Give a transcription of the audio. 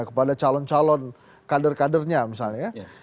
kepada calon calon kader kadernya misalnya ya